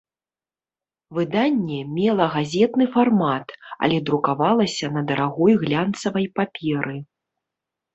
Выданне мела газетны фармат, але друкавалася на дарагой глянцавай паперы.